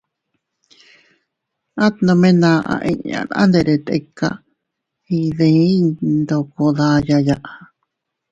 At nome naʼa inña anderes tika iydiy ndoko dayaya.